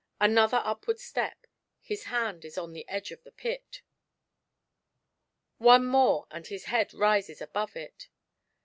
Another up ward step, his hand is on the edge of the pit ; one more, and his head rises above it.